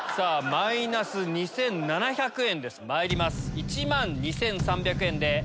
マイナス２７００円。